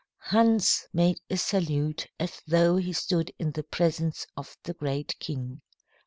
Hans made a salute as though he stood in the presence of the great king.